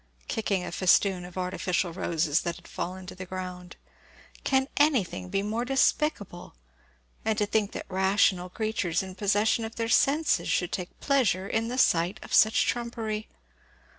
kicking a festoon of artificial roses that had fallen to the ground. "Can anything be more despicable? and to think that rational creatures in possession of their senses should take pleasure in the sight of such trumpery!